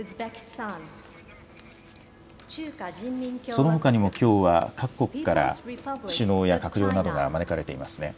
そのほかにもきょうは、各国から首脳や閣僚などが招かれていますね。